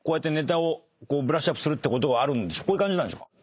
こういう感じなんでしょうか？